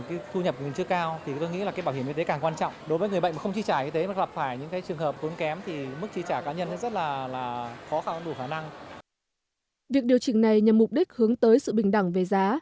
việc điều chỉnh này nhằm mục đích hướng tới sự bình đẳng về giá